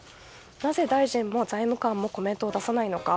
なぜ大臣も財務官もコメントを出さないのか。